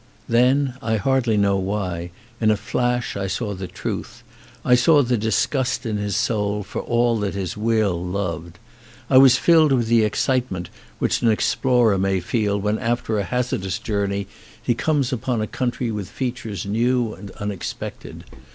Then, I hardly know why, in a flash I saw the truth; I saw the disgust in his soul for all that his will loved. I was filled with the excitement "which an explorer may feel when after a hazardous journey he comes upon a country with features 52 PEAK new and unexpected.